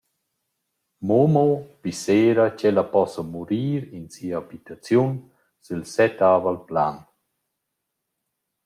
Momo pissera ch’ella possa murir in sia abitaziun sül settavel plan.